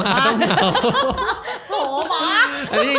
หมาต้องเหงา